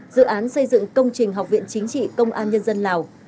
dự án xây dựng công trình học viện chính trị công an nhân dân lào